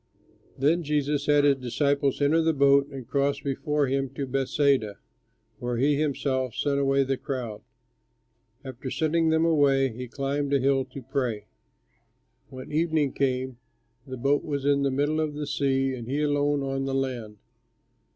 Then Jesus had his disciples enter the boat and cross before him to Bethsaida, while he himself sent away the crowd. After sending them away, he climbed a hill to pray. When evening came the boat was in the middle of the sea and he alone on the land.